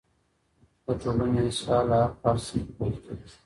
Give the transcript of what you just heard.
د ټولنې اصلاح له هر فرد څخه پیل کېږي.